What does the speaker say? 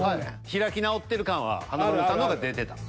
開き直ってる感は華丸さんの方が出てた。